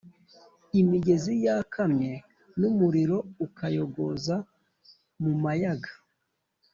imigezi yakamye n’umuriro ukayogoza mu mayaga